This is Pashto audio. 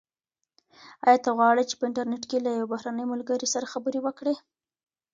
ایا ته غواړې چي په انټرنیټ کي له یو بهرني ملګري سره خبرې وکړې؟